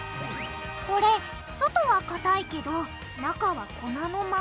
これ外はかたいけど中は粉のまま。